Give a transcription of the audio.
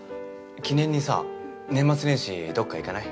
記念にさ年末年始どっか行かない？